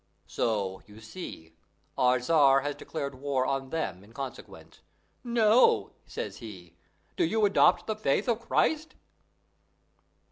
"So, you see, our Tzar has declared war on them in consequence. 'No,' says he, 'do you adopt the faith of Christ!